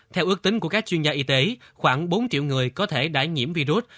theo ước tính của các chuyên gia y tế khoảng bốn triệu người có thể đã nhiễm virus